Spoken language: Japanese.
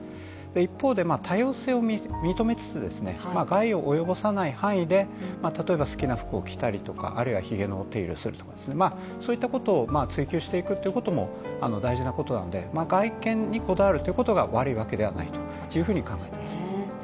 一方で、多様性を認めつつ害を及ぼさない範囲で、好きな服を着たりとかひげのお手入れをするとかそういったことを追求していくということも大事なことなので外見にこだわることが悪いわけではないというふうに考えています。